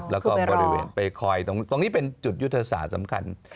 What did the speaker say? แล้วก็บริเวณไปคอยตรงนี้เป็นจุดยุทธศาสตร์สำคัญ